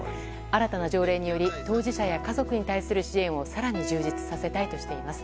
新たな条例により当事者や家族に対する支援を更に充実させたいとしています。